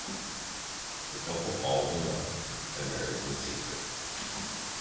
The couple falls in love and marries in secret.